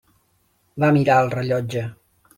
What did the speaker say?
Va mirar el rellotge.